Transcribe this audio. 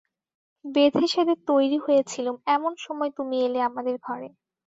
বেঁধে-সেধে তৈরি হয়ে ছিলুম, এমন সময় তুমি এলে আমাদের ঘরে।